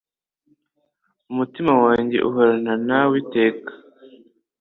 umutima wanjye uhorana nawe iteka!